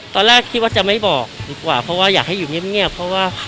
ตอนแรกคิดว่าจะไม่บอกดีกว่าเพราะว่าอยากให้อยู่เงียบเพราะว่า